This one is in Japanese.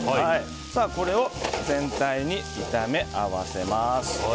これを全体に炒め合わせます。